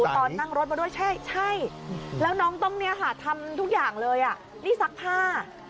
ตอนนั่งรถมาด้วยใช่แล้วน้องต้องเนี่ยค่ะทำทุกอย่างเลยอ่ะนี่ซักผ้า